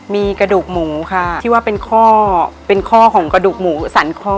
มีกระดูกหมูค่ะที่ว่าเป็นข้อเป็นข้อของกระดูกหมูสันคอ